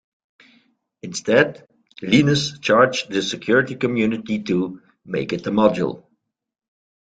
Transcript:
Instead, Linus charged the security community to "make it a module".